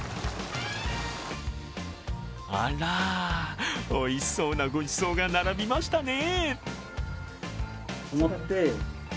あら、おいしそうなごちそうが並びましたね。